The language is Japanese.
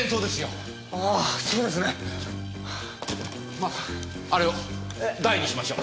まずあれを台にしましょう。